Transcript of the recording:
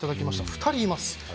２人います。